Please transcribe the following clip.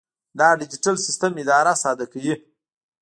دا ډیجیټل سیسټم اداره ساده کوي.